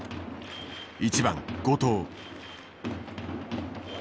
１番後藤。